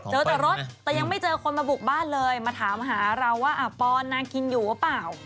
เจอแต่รถแต่ยังไม่เจอคนมาบุกบ้านเลยมาถามหาเราว่าปอนนางกินอยู่หรือเปล่า